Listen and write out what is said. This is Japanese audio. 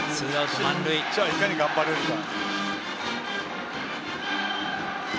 ここいかに頑張れるか。